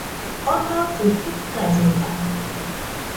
Onollɨ jɨkallena